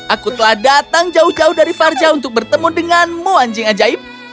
aku telah datang jauh jauh dari farja untuk bertemu denganmu anjing ajaib